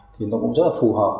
thì nó cũng rất là phù hợp